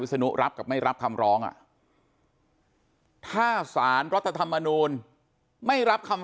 ศนุรับกับไม่รับคำร้องถ้าสารรัฐธรรมนูลไม่รับคำ